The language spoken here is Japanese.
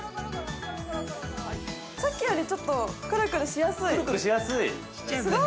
さっきよりちょっとクルクルしやすい。